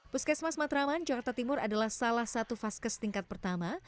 puskesmas matraman jakarta timur adalah salah satu vaskes tingkat pertama